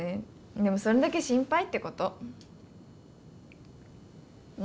でもそれだけ心配ってこと。ね。